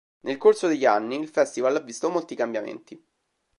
Nel corso degli anni, il festival ha visto molti cambiamenti.